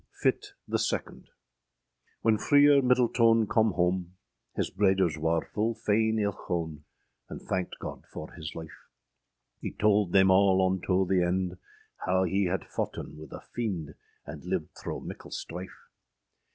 ] FITTE THE SECONDE. When Freer Myddeltone com home, Hys breders war ful faine ilchone, And thanked God for hys lyfe; He told thayme all unto the ende, How hee had foughten wyth a fiende, And lived throâ mickle stryfe.